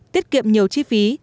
tiết kiệm nhiều chi phí